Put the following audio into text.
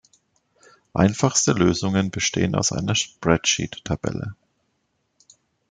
Einfachste Lösungen bestehen aus einer Spreadsheet-Tabelle.